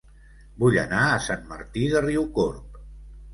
Vull anar a Sant Martí de Riucorb